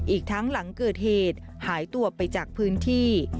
อีกทั้งหลังเกิดเหตุหายตัวไปจากพื้นที่